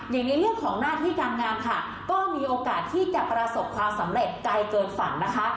อย่างในเรื่องของหน้าที่การงานค่ะก็มีโอกาสที่จะประสบความสำเร็จไกลเกินฝันนะคะ